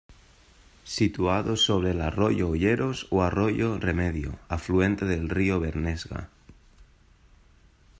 Situado sobre el Arroyo Olleros o Arroyo Remedio, afluente del río Bernesga.